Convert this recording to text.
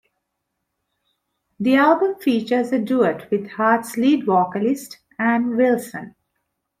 The album features a duet with Heart's lead vocalist, Ann Wilson.